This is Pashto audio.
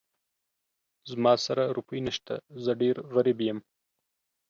زما سره روپۍ نه شته، زه ډېر غريب يم.